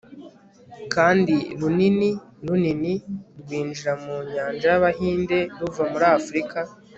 kandi runini runini rwinjira mu nyanja y'abahinde ruva muri afurika